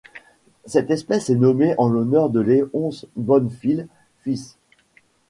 Cette espèce est nommée en l'honneur de Léonce Bonnefil fils.